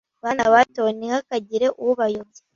Bana bato ntihakagire ubayobya